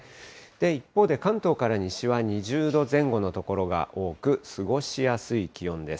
一方で関東から西は２０度前後の所が多く、過ごしやすい気温です。